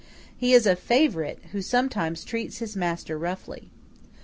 He is a favorite who sometimes treats his master roughly.